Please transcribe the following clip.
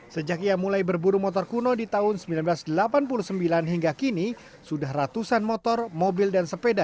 sejak ia mulai berburu motor kuno di tahun seribu sembilan ratus delapan puluh sembilan hingga kini sudah ratusan motor mobil dan sepeda